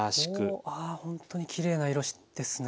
ほんとにきれいな色ですね。